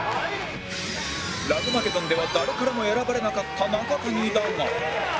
ラブマゲドンでは誰からも選ばれなかった中谷だが